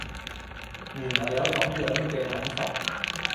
原來有噉樣嘅諗法